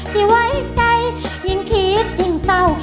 ที่ไว้ใจยิ่งคิดยิ่งเศร้า